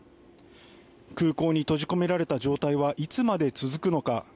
空港に閉じ込められた状態はいつまで続くのか。